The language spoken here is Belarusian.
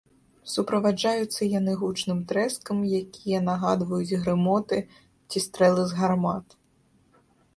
Суправаджаюцца яны гучным трэскам, якія нагадваюць грымоты ці стрэлы з гармат.